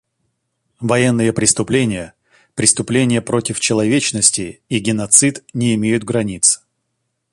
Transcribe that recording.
Военные преступления, преступления против человечности и геноцид не имеют границ.